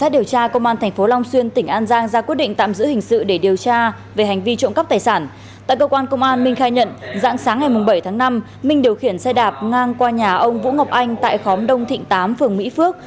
đã sáng ngày bảy tháng năm minh điều khiển xe đạp ngang qua nhà ông vũ ngọc anh tại khóm đông thịnh tám phường mỹ phước